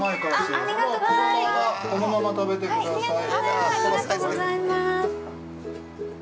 ◆ありがとうございます。